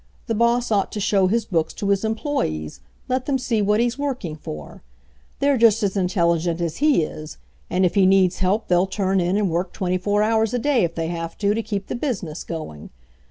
The boss ought to show his books to his employees, let them see what he's working for. They're just as intelligent as he is, and if he needs help they'll turn in and work twenty four hours a day, if they have to, to keep the business going.